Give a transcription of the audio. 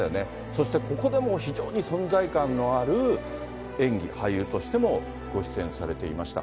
そしてここでも非常に存在感のある演技、俳優としてもご出演されていました。